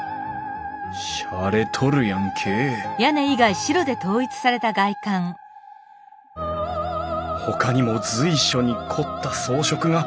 しゃれとるやんけえほかにも随所に凝った装飾が。